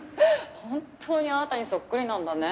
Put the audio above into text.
ホントにあなたにそっくりなんだね。